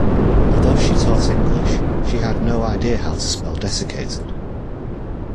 Although she taught English, she had no idea how to spell desiccated.